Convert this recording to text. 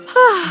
hah oh baiklah